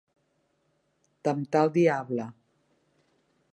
Temptar el diable.